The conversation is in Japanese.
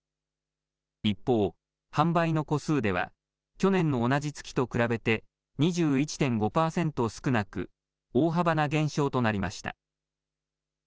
一方、販売の戸数では、去年の同じ月と比べて２１．５％少なく、大幅な減少となりました。